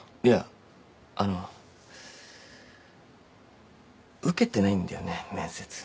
いやあの受けてないんだよね面接。